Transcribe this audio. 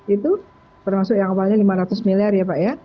itu termasuk yang awalnya lima ratus miliar ya pak ya